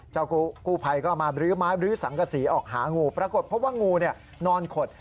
กู้ภัยก็มาบรื้อไม้บรื้อสังกษีออกหางูปรากฏเพราะว่างูนอนขด